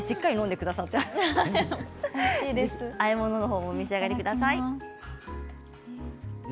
ではあえ物の方もお召し上がりください。